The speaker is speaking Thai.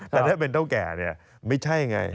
แต่ถ้าเบนเท่าแก่ไม่ใช่ไง